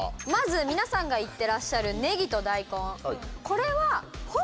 皆さんが言っていらっしゃるねぎと大根。